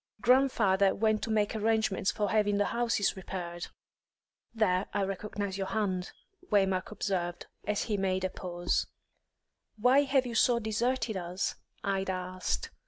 Grandfather went to make arrangements for having the houses repaired." "There I recognise your hand," Waymark observed, as she made a pause. "Why have you so deserted us?" Ida asked.